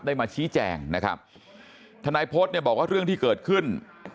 มาชี้แจงนะครับทนายพฤษเนี่ยบอกว่าเรื่องที่เกิดขึ้น